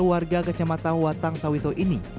warga kecamatan watang sawito ini